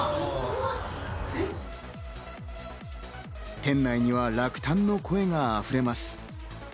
店内には落胆の声があふれます。